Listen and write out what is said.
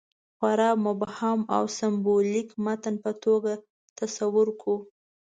خورا مبهم او سېمبولیک متن په توګه تصور کړو.